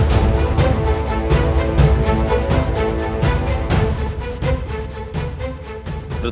kau bisa saja lari